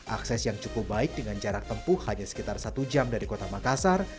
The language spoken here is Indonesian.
akses yang cukup baik dengan jarak tempuh hanya sekitar satu jam dari kota makassar